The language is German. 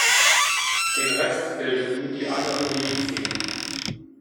Den Rest bildeten die anderen Milizen.